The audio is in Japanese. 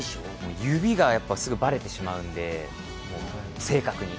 指がすぐバレてしまうので、正確に。